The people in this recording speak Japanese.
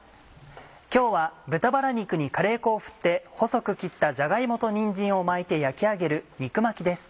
今日は豚バラ肉にカレー粉を振って細く切ったじゃが芋とにんじんを巻いて焼き上げる肉巻きです。